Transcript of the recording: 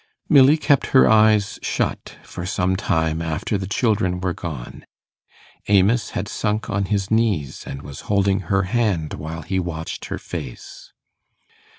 Milly kept her eyes shut for some time after the children were gone. Amos had sunk on his knees, and was holding her hand while he watched her face.